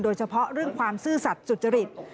โดยเฉพาะเรื่องความซื่อสัตว์สุจริต